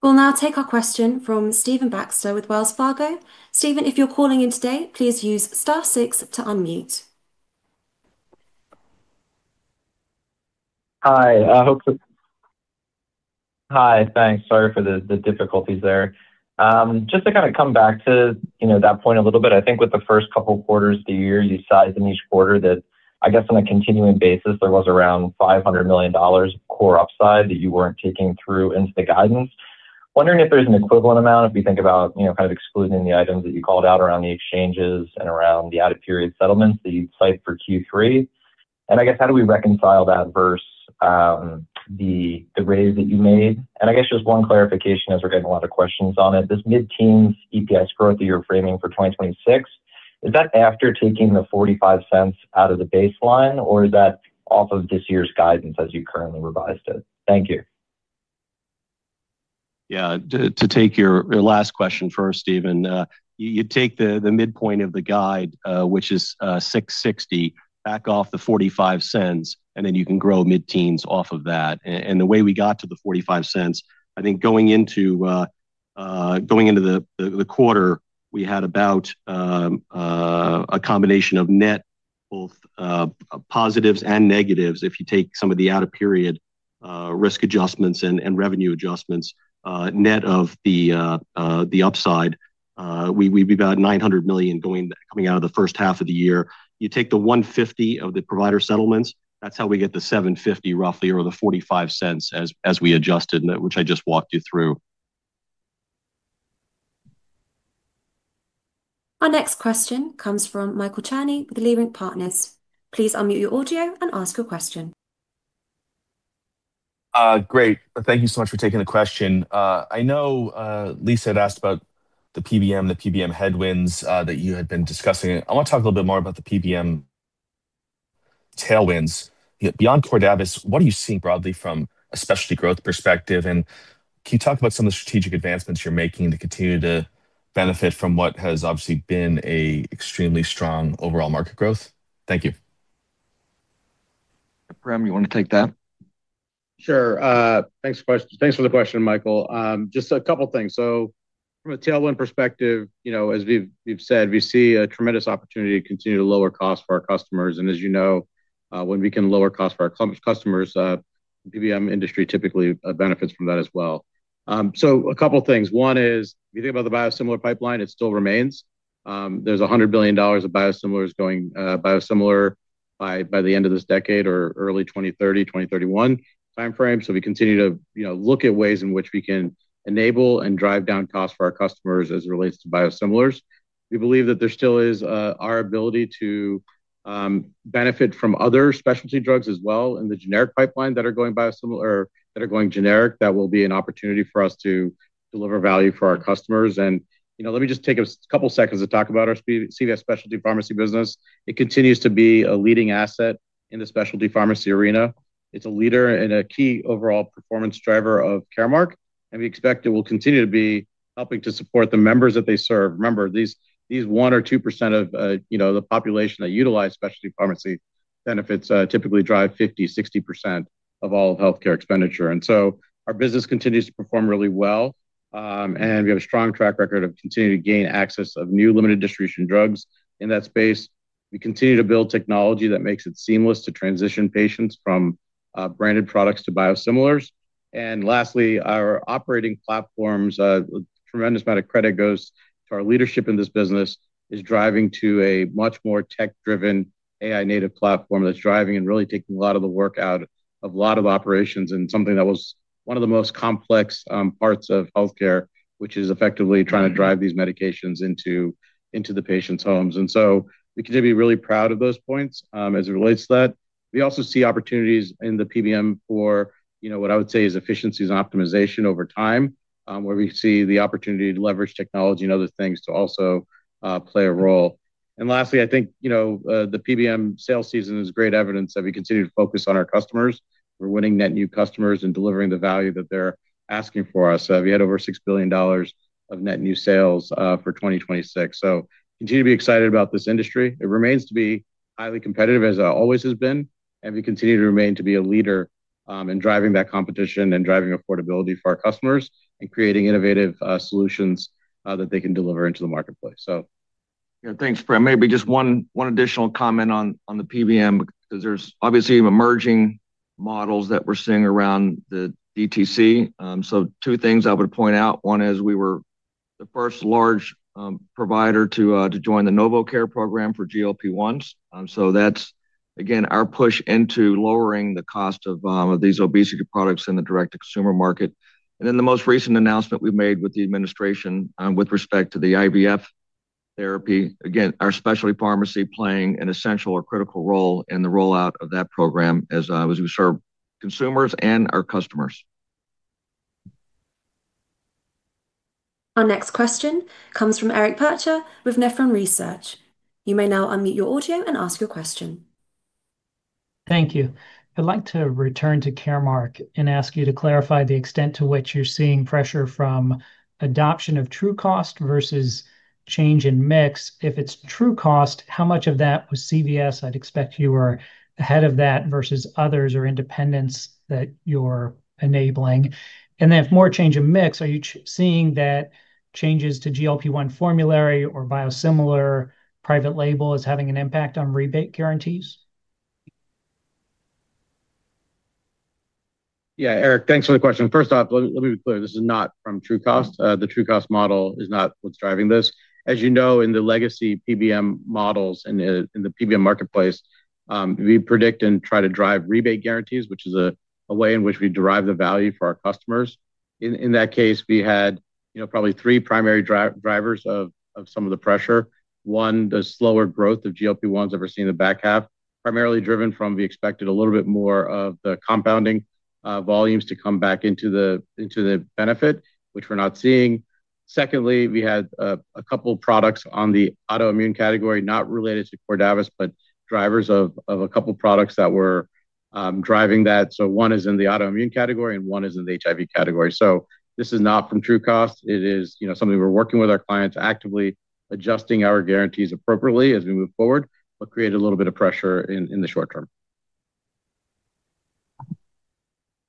A: We'll now take our question from Stephen Baxter with Wells Fargo. Stephen, if you're calling in today, please use star six to unmute.
I: Hi, thanks. Sorry for the difficulties there. Just to kind of come back to that point a little bit, I think with the first couple of quarters of the year, you sized in each quarter that I guess on a continuing basis, there was around $500 million of core upside that you weren't taking through into the guidance. Wondering if there's an equivalent amount if we think about kind of excluding the items that you called out around the exchanges and around the added period settlements that you'd cite for Q3. I guess how do we reconcile that versus the raise that you made? I guess just one clarification as we're getting a lot of questions on it. This mid-teens EPS growth that you're framing for 2026, is that after taking the $0.45 out of the baseline, or is that off of this year's guidance as you currently revised it? Thank you.
D: To take your last question first, Stephen, you take the midpoint of the guide, which is $6.60, back off the $0.45, and then you can grow mid-teens off of that. The way we got to the $0.45, I think going into the quarter, we had about a combination of net both positives and negatives if you take some of the out-of-period risk adjustments and revenue adjustments, net of the upside. We'd be about $900 million coming out of the first half of the year. You take the $150 million of the provider settlements, that's how we get the $7.50 roughly or the $0.45 as we adjusted, which I just walked you through.
A: Our next question comes from Michael Cherny with Leerink Partners. Please unmute your audio and ask your question.
J: Great. Thank you so much for taking the question. I know Lisa had asked about the PBM, the PBM headwinds that you had been discussing. I want to talk a little bit more about the PBM tailwinds. Beyond Cordavis, what are you seeing broadly from a specialty growth perspective? Can you talk about some of the strategic advancements you're making to continue to benefit from what has obviously been an extremely strong overall market growth? Thank you.
C: Prem, you want to take that?
F: Sure. Thanks for the question, Michael. Just a couple of things. From a tailwind perspective, as we've said, we see a tremendous opportunity to continue to lower costs for our customers. As you know, when we can lower costs for our customers, the PBM industry typically benefits from that as well. One is, if you think about the biosimilar pipeline, it still remains. There's $100 billion of biosimilars going biosimilar by the end of this decade or early 2030, 2031 timeframe. We continue to look at ways in which we can enable and drive down costs for our customers as it relates to biosimilars. We believe that there still is our ability to benefit from other specialty drugs as well in the generic pipeline that are going biosimilar or that are going generic. That will be an opportunity for us to deliver value for our customers. Let me just take a couple of seconds to talk about our CVS specialty pharmacy business. It continues to be a leading asset in the specialty pharmacy arena. It's a leader and a key overall performance driver of Caremark, and we expect it will continue to be helping to support the members that they serve. Remember, these 1% or 2% of the population that utilize specialty pharmacy benefits typically drive 50%, 60% of all healthcare expenditure. Our business continues to perform really well, and we have a strong track record of continuing to gain access of new limited distribution drugs in that space. We continue to build technology that makes it seamless to transition patients from branded products to biosimilars. Lastly, our operating platforms, a tremendous amount of credit goes to our leadership in this business, is driving to a much more tech-driven AI-native platform that's driving and really taking a lot of the work out of a lot of the operations and something that was one of the most complex parts of healthcare, which is effectively trying to drive these medications into the patients' homes. We continue to be really proud of those points as it relates to that. We also see opportunities in the PBM for what I would say is efficiencies and optimization over time, where we see the opportunity to leverage technology and other things to also play a role. Lastly, I think the PBM sales season is great evidence that we continue to focus on our customers. We're winning net new customers and delivering the value that they're asking for us. We had over $6 billion of net new sales for 2026. We continue to be excited about this industry. It remains to be highly competitive, as it always has been, and we continue to remain to be a leader in driving that competition and driving affordability for our customers and creating innovative solutions that they can deliver into the marketplace.
C: Yeah, thanks, Prem. Maybe just one additional comment on the PBM because there's obviously emerging models that we're seeing around the DTC. Two things I would point out. One is we were the first large provider to join the NovoCare program for GLP-1s. That's, again, our push into lowering the cost of these obesity products in the direct-to-consumer market. The most recent announcement we've made with the administration with respect to the IVF therapy, again, our specialty pharmacy playing an essential or critical role in the rollout of that program as we serve consumers and our customers.
A: Our next question comes from Eric Percher with Nephron Research. You may now unmute your audio and ask your question.
K: Thank you. I'd like to return to Caremark and ask you to clarify the extent to which you're seeing pressure from adoption of true cost versus change in mix. If it's true cost, how much of that was CVS? I'd expect you were ahead of that versus others or independents that you're enabling. If more change in mix, are you seeing that changes to GLP-1 formulary or biosimilar private label is having an impact on rebate guarantees?
F: Yeah, Eric, thanks for the question. First off, let me be clear. This is not from true cost. The true cost model is not what's driving this. As you know, in the legacy PBM models and in the PBM marketplace, we predict and try to drive rebate guarantees, which is a way in which we derive the value for our customers. In that case, we had probably three primary drivers of some of the pressure. One, the slower growth of GLP-1s that we're seeing in the back half, primarily driven from we expected a little bit more of the compounding volumes to come back into the benefit, which we're not seeing. Secondly, we had a couple of products in the autoimmune category, not related to Cordavis, but drivers of a couple of products that were driving that. One is in the autoimmune category and one is in the HIV category. This is not from true cost. It is something we're working with our clients actively, adjusting our guarantees appropriately as we move forward, but created a little bit of pressure in the short term.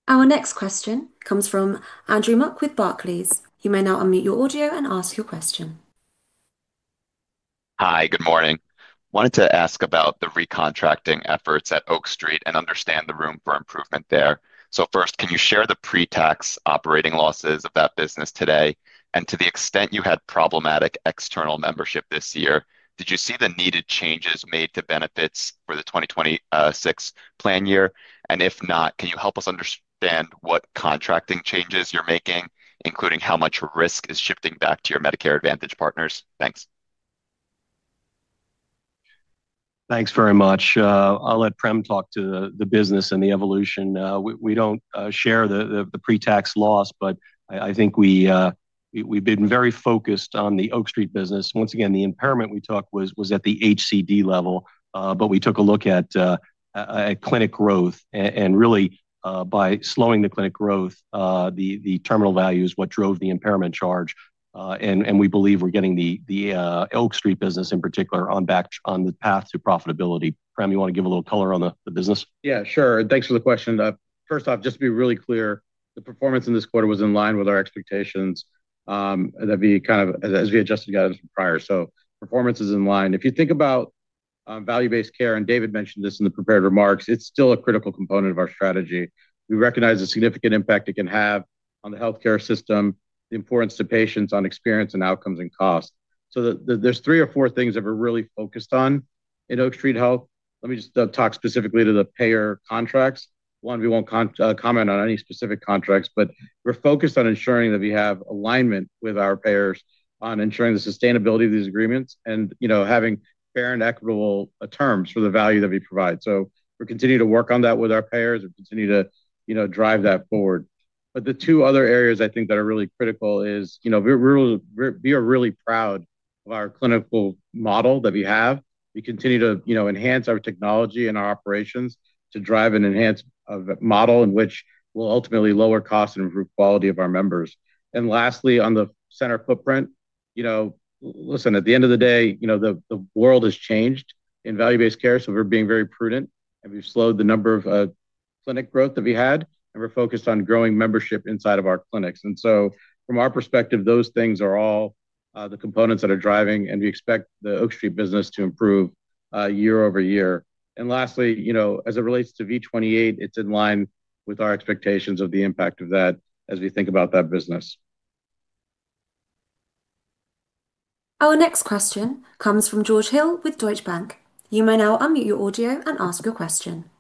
A: Our next question comes from Andrew Mok with Barclays. You may now unmute your audio and ask your question.
L: Hi, good morning. I wanted to ask about the recontracting efforts at Oak Street and understand the room for improvement there. First, can you share the pre-tax operating losses of that business today? To the extent you had problematic external membership this year, did you see the needed changes made to benefits for the 2026 plan year? If not, can you help us understand what contracting changes you're making, including how much risk is shifting back to your Medicare Advantage partners? Thanks.
D: Thanks very much. I'll let Prem talk to the business and the evolution. We don't share the pre-tax loss, but I think we've been very focused on the Oak Street Health business. Once again, the impairment we took was at the healthcare delivery segment level, but we took a look at clinic growth and, really, by slowing the clinic growth, the terminal value is what drove the impairment charge. We believe we're getting the Oak Street Health business in particular on the path to profitability. Prem, you want to give a little color on the business?
F: Yeah, sure. Thanks for the question. First off, just to be really clear, the performance in this quarter was in line with our expectations as we adjusted guidance from prior. Performance is in line. If you think about value-based care, and David Joyner mentioned this in the prepared remarks, it's still a critical component of our strategy. We recognize the significant impact it can have on the healthcare system, the importance to patients on experience and outcomes and cost. There are three or four things that we're really focused on in Oak Street Health. Let me just talk specifically to the payer contracts. We won't comment on any specific contracts, but we're focused on ensuring that we have alignment with our payers on ensuring the sustainability of these agreements and having fair and equitable terms for the value that we provide. We're continuing to work on that with our payers. We're continuing to drive that forward. The two other areas I think that are really critical are we are really proud of our clinical model that we have. We continue to enhance our technology and our operations to drive and enhance a model in which we'll ultimately lower costs and improve quality of our members. Lastly, on the center footprint, at the end of the day, the world has changed in value-based care. We're being very prudent, and we've slowed the number of clinic growth that we had, and we're focused on growing membership inside of our clinics. From our perspective, those things are all the components that are driving, and we expect the Oak Street business to improve year over year. Lastly, as it relates to V28, it's in line with our expectations of the impact of that as we think about that business.
A: Our next question comes from George Hill with Deutsche Bank. You may now unmute your audio and ask your question.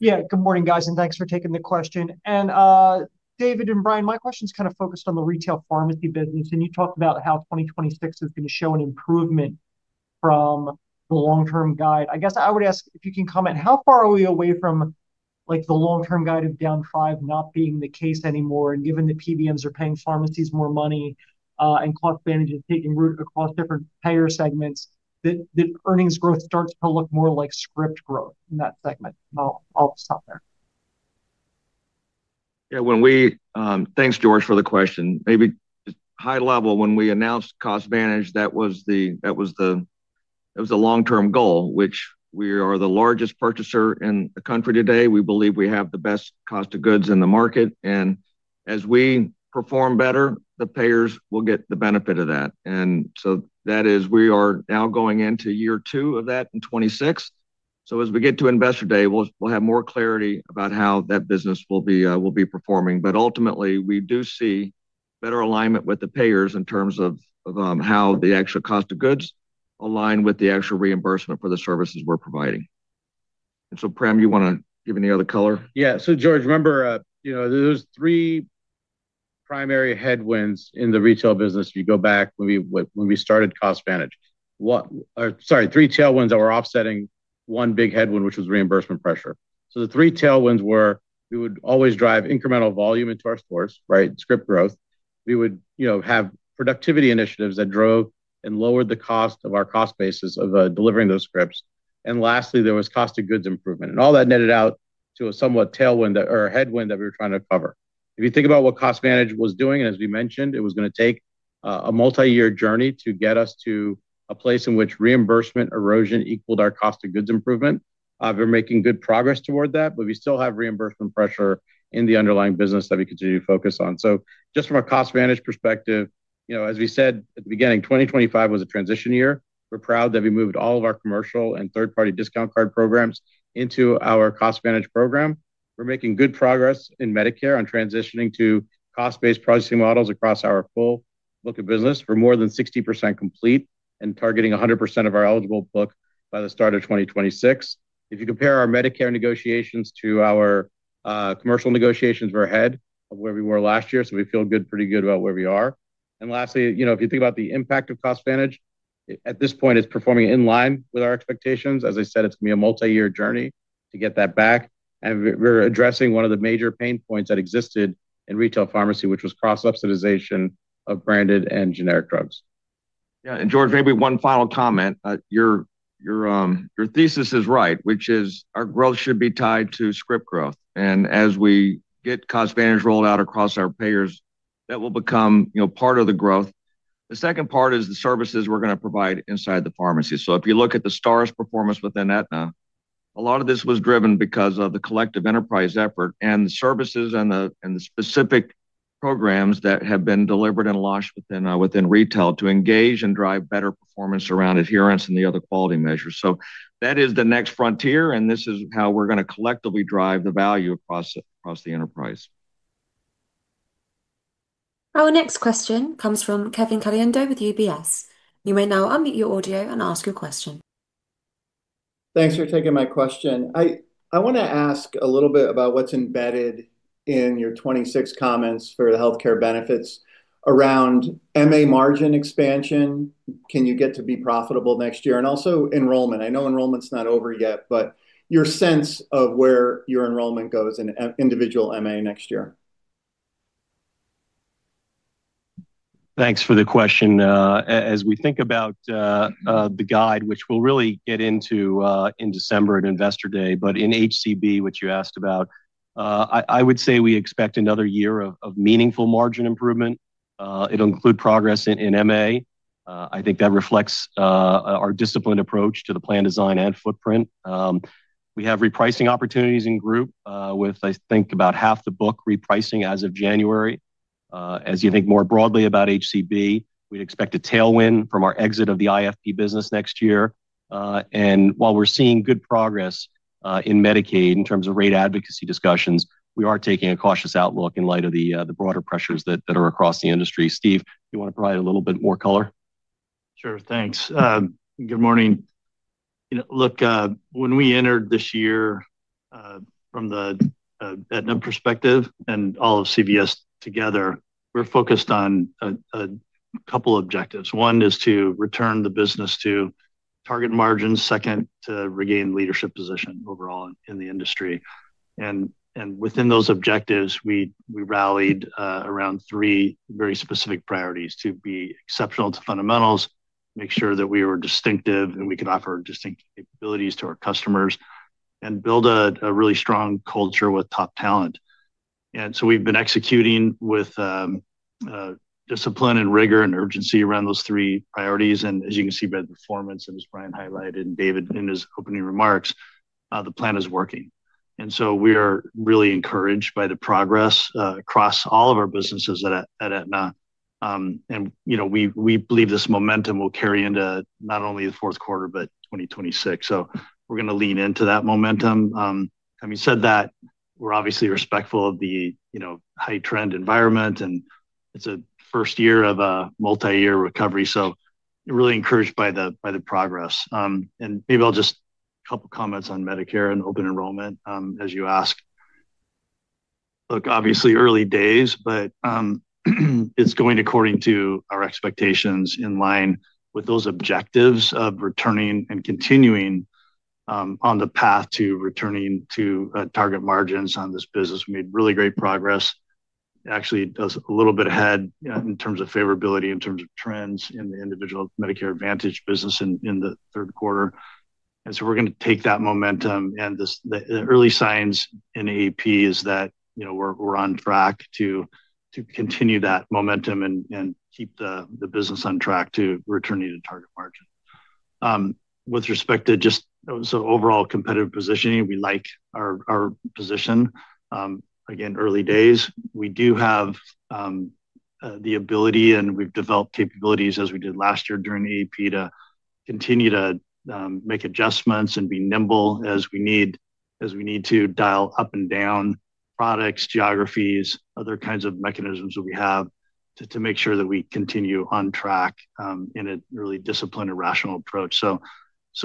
M: Good morning, guys, and thanks for taking the question. David and Brian, my question's kind of focused on the retail pharmacy business, and you talked about how 2026 is going to show an improvement from the long-term guide. I guess I would ask if you can comment, how far are we away from the long-term guide of down five not being the case anymore? Given that PBMs are paying pharmacies more money and cost advantages taking root across different payer segments, that earnings growth starts to look more like script growth in that segment? I'll stop there.
C: Yeah, thanks George for the question. Maybe just high level, when we announced cost advantage, that was the long-term goal, which is we are the largest purchaser in the country today. We believe we have the best cost of goods in the market. As we perform better, the payers will get the benefit of that. We are now going into year two of that in 2026. As we get to investor day, we'll have more clarity about how that business will be performing. Ultimately, we do see better alignment with the payers in terms of how the actual cost of goods align with the actual reimbursement for the services we're providing. Prem, you want to give any other color?
F: Yeah, so George, remember, you know, there are three primary headwinds in the retail business if you go back when we started cost advantage. Sorry, three tailwinds that were offsetting one big headwind, which was reimbursement pressure. The three tailwinds were we would always drive incremental volume into our stores, right? Script growth. We would have productivity initiatives that drove and lowered the cost of our cost basis of delivering those scripts. Lastly, there was cost of goods improvement. All that netted out to a somewhat tailwind or headwind that we were trying to cover. If you think about what cost advantage was doing, and as we mentioned, it was going to take a multi-year journey to get us to a place in which reimbursement erosion equaled our cost of goods improvement. We're making good progress toward that, but we still have reimbursement pressure in the underlying business that we continue to focus on. Just from a cost advantage perspective, you know, as we said at the beginning, 2025 was a transition year. We're proud that we moved all of our commercial and third-party discount card programs into our cost advantage program. We're making good progress in Medicare on transitioning to cost-based processing models across our full book of business. We're more than 60% complete and targeting 100% of our eligible book by the start of 2026. If you compare our Medicare negotiations to our commercial negotiations, we're ahead of where we were last year. We feel pretty good about where we are. Lastly, if you think about the impact of cost advantage, at this point, it's performing in line with our expectations. As I said, it's going to be a multi-year journey to get that back. We're addressing one of the major pain points that existed in retail pharmacy, which was cross-ups of branded and generic drugs.
C: Yeah, and George, maybe one final comment. Your thesis is right, which is our growth should be tied to script growth. As we get cost advantage rolled out across our payers, that will become part of the growth. The second part is the services we're going to provide inside the pharmacy. If you look at the STARS performance within Aetna, a lot of this was driven because of the collective enterprise effort and the services and the specific programs that have been delivered and lodged within retail to engage and drive better performance around adherence and the other quality measures. That is the next frontier, and this is how we're going to collectively drive the value across the enterprise.
A: Our next question comes from Kevin Caliendo with UBS. You may now unmute your audio and ask your question.
N: Thanks for taking my question. I want to ask a little bit about what's embedded in your 2026 comments for the healthcare benefits around Medicare Advantage margin expansion. Can you get to be profitable next year? Also, enrollment. I know enrollment's not over yet, but your sense of where your enrollment goes in individual Medicare Advantage next year.
C: Thanks for the question. As we think about the guide, which we'll really get into in December at Investor Day, but in HCB, which you asked about, I would say we expect another year of meaningful margin improvement. It'll include progress in Medicare Advantage. I think that reflects our disciplined approach to the plan design and footprint. We have repricing opportunities in group with, I think, about half the book repricing as of January. As you think more broadly about HCB, we'd expect a tailwind from our exit of the individual exchange business next year. While we're seeing good progress in Medicaid in terms of rate advocacy discussions, we are taking a cautious outlook in light of the broader pressures that are across the industry. Steve, you want to provide a little bit more color?
O: Sure, thanks. Good morning. You know, look, when we entered this year, from the Aetna perspective and all of CVS Health together, we were focused on a couple of objectives. One is to return the business to target margins, second, to regain the leadership position overall in the industry. Within those objectives, we rallied around three very specific priorities: to be exceptional to fundamentals, make sure that we were distinctive and we could offer distinct capabilities to our customers, and build a really strong culture with top talent. We have been executing with discipline, rigor, and urgency around those three priorities. As you can see by the performance that Brian highlighted and David in his opening remarks, the plan is working. We are really encouraged by the progress across all of our businesses at Aetna. We believe this momentum will carry into not only the fourth quarter, but 2026. We are going to lean into that momentum. Having said that, we are obviously respectful of the high trend environment, and it is a first year of a multi-year recovery. We are really encouraged by the progress. Maybe I will just make a couple of comments on Medicare and open enrollment as you asked. Obviously, early days, but it is going according to our expectations in line with those objectives of returning and continuing on the path to returning to target margins on this business. We made really great progress. It actually does a little bit ahead in terms of favorability, in terms of trends in the individual Medicare Advantage business in the third quarter. We are going to take that momentum. The early signs in AEP are that we are on track to continue that momentum and keep the business on track to returning to target margin. With respect to overall competitive positioning, we like our position. Again, early days, we do have the ability, and we have developed capabilities as we did last year during AEP to continue to make adjustments and be nimble as we need to dial up and down products, geographies, other kinds of mechanisms that we have to make sure that we continue on track in a really disciplined and rational approach. So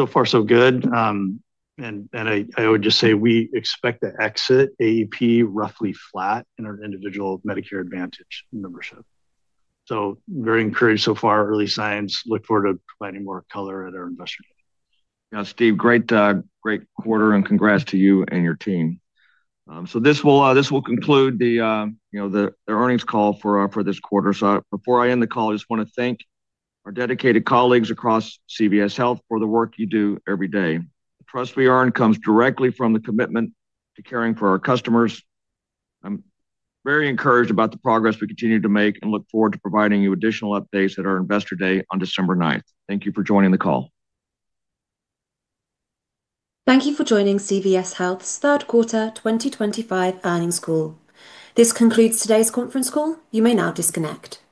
O: far, so good. I would just say we expect to exit AEP roughly flat in our individual Medicare Advantage membership. Very encouraged so far, early signs. Look forward to providing more color at our investor day.
C: Yeah, Steve, great quarter, and congrats to you and your team. This will conclude the earnings call for this quarter. Before I end the call, I just want to thank our dedicated colleagues across CVS Health for the work you do every day. The trust we earn comes directly from the commitment to caring for our customers. I'm very encouraged about the progress we continue to make and look forward to providing you additional updates at our investor day on December 9th. Thank you for joining the call.
A: Thank you for joining CVS Health's third quarter 2025 earnings call. This concludes today's conference call. You may now disconnect.